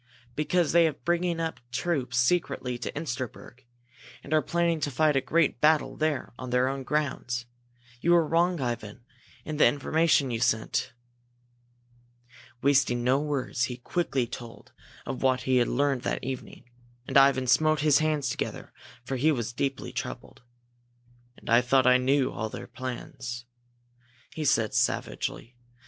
Because they have been bringing troops up secretly to Insterberg, and are planning to fight a great battle there on their own grounds! You were wrong, Ivan, in the information you sent." Wasting no words, he quickly told of what he had learned that evening. And Ivan smote his hands together for he was deeply troubled. "And I thought I knew all their plans!" he said, savagely.